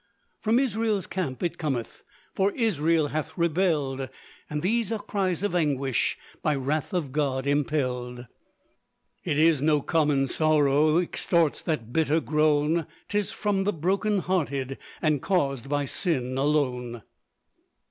From Israel's camp it cometh, For Israel hath rebelled; And these are cries of anguish, By wrath of God impelled. It is no common sorrow, Extorts that bitter groan; 'Tis from the broken hearted, And caused by sin alone.